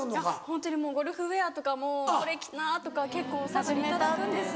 ホントにゴルフウエアとかも「これ着な」とか結構頂くんです。